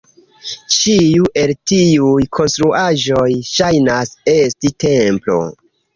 Ĉiu el tiuj konstruaĵoj ŝajnas esti templo.